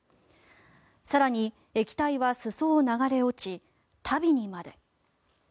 更に、液体は裾を流れ落ち足袋にまで。